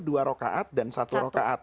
dua rokaat dan satu rokaat